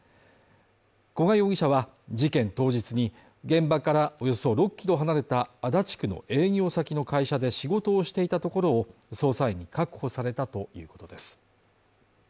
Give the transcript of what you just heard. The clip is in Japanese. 古賀容疑者は事件当日に現場からおよそ６キロ離れた足立区の営業先の会社で仕事をしていたところを捜査員に確保されたということです。